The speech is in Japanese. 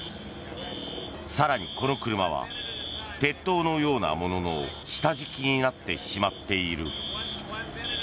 更に、この車は鉄塔のようなものの下敷きになってしまっている。